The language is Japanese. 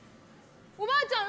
おばあちゃん